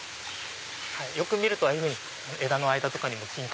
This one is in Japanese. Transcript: よく見るとああいうふうに枝の間とかにも。